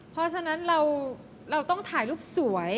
เพราะฉะนั้นเราต้องถ่ายรูปสวย